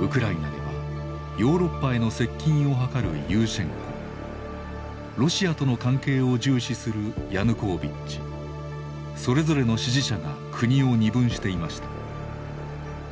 ウクライナではヨーロッパへの接近を図るユーシェンコロシアとの関係を重視するヤヌコービッチそれぞれの支持者が国を二分していました。